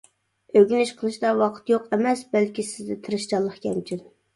ئۆگىنىش قىلىشتا ۋاقىت يوق ئەمەس، بەلكى سىزدە تىرىشچانلىق كەمچىل.